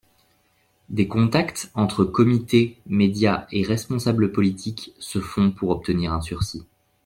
Des contacts entre Comités, médias et responsables politiques se font pour obtenir un sursis.